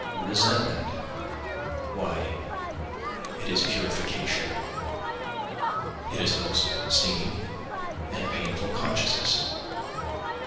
Resentment—why, it is purification; it is a most stinging and painful consciousness!